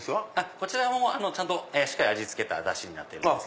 こちらもしっかり味付けたダシになっております。